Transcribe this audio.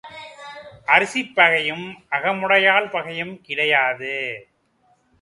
அரிசிப் பகையும் அகமுடையாள் பகையும் கிடையாது.